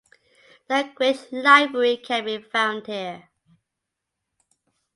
The Great Library can be found here.